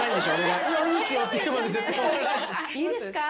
いいですか？